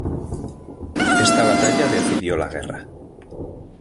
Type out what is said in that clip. Esta batalla decidió la guerra.